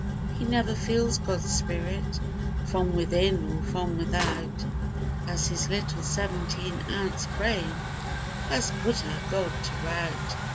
He never feels God's spirit From within or from without, As his little seventeen ounce brain Has "put our God to rout."